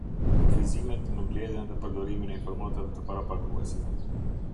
Kufizimet në mbledhjen dhe përdorimin e informatave të parapaguesve.